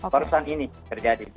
korban ini terjadi